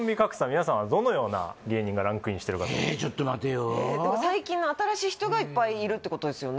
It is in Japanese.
皆さんはどのような芸人がランクインしてるかとえちょっと待てよえでも最近の新しい人がいっぱいいるってことですよね？